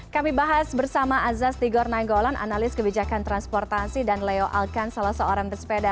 kami bahas bersama azaz tigor nainggolan analis kebijakan transportasi dan leo alkan salah seorang pesepeda